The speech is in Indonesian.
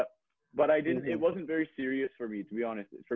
tapi saya ga itu bukan serius banget buat saya untuk jujur